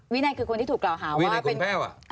วินัยคือคนที่ถูกกล่าวหาว่าเป็น